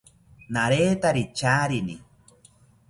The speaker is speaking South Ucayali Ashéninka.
Naretari charini